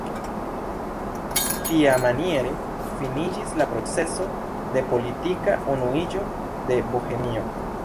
Tiamaniere finiĝis la proceso de politika unuiĝo de Bohemio.